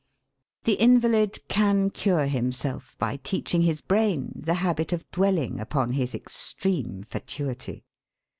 The invalid can cure himself by teaching his brain the habit of dwelling upon his extreme fatuity.